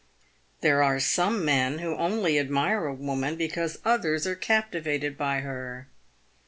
There are some men who only admire a woman because others are captivated by her.